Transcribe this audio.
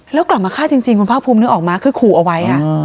แล้วกลับมาฆ่าจริงคุณภาคภูมินึกออกมาคือขู่เอาไว้